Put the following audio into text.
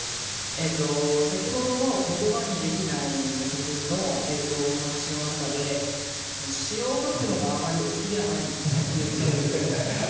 えっと先ほどの「言葉にできない」の曲のお話の中で詞を書くのがあまりお好きではないっておっしゃってたじゃないですか。